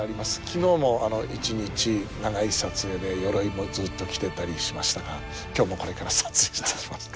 昨日も一日長い撮影で鎧もずっと着てたりしましたが今日もこれから撮影いたします。